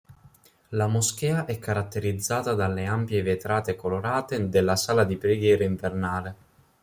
La moschea è caratterizzata dalle ampie vetrate colorate della sala di preghiera invernale.